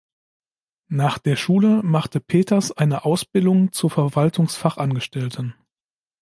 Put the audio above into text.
Nach der Schule machte Peters eine Ausbildung zur Verwaltungsfachangestellten.